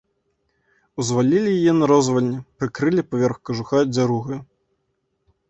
Узвалілі яе на розвальні, прыкрылі паверх кажуха дзяругаю.